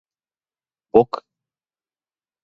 ぼく